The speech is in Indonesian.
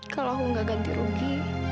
kalau aku nggak ganti rugi